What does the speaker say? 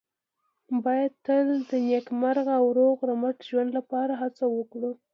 باید تل د نېکمرغه او روغ رمټ ژوند لپاره هڅه وکړو.